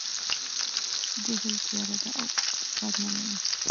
جهل تیاره ده او اقتصاد نه لري.